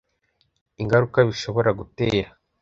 ingaruka bishobora gutera